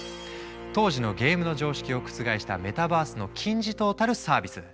当時のゲームの常識を覆したメタバースの金字塔たるサービス。